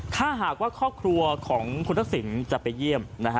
ถ้าหากว่าครอบครัวของคุณทักษิณจะไปเยี่ยมนะฮะ